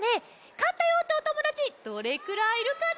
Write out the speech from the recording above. かったよっておともだちどれくらいいるかな？